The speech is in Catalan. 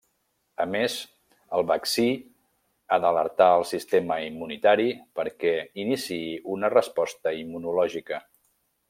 A més, el vaccí ha d'alertar el sistema immunitari perquè iniciï una resposta immunològica.